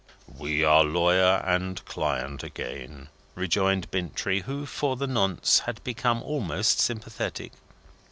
"We are lawyer and client again," rejoined Bintrey, who, for the nonce, had become almost sympathetic.